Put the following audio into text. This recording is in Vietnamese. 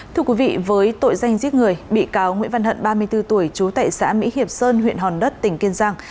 thưa quý vị với tội danh giết người bị cáo nguyễn văn hận ba mươi bốn tuổi chú tại xã mỹ hiệp sơn huyện hòn đất tỉnh kiên giang